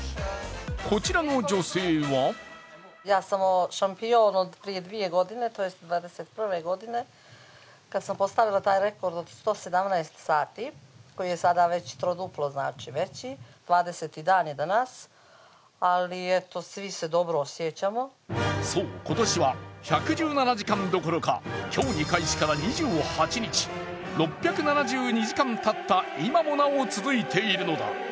こちらの女性はそう今年は１１７時間どころか競技開始から２８日、６７２時間たった今もなお続いているのだ。